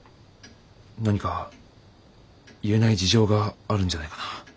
何か言えない事情があるんじゃないかな。